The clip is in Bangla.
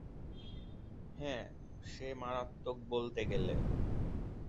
হ্যাঁ, সে মারাত্মক বলতে গেলে!